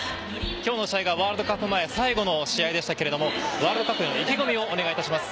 きょうの試合がワールドカップ前、最後の試合でしたが、ワールドカップへの意気込みをお願いします。